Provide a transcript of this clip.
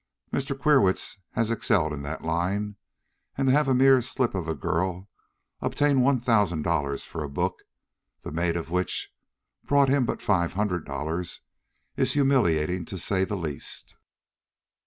Mr. Queerwitz has excelled in that line, and to have a mere slip of a girl obtain one thousand dollars for a book, the mate of which brought him but five hundred dollars, is humiliating to say the least."